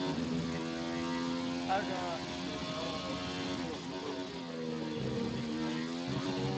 اڙاں ݜُو گھَؤں اوک چو سُگاؤ ہوُئ تُھو ووئے بِگ نَیں یی؟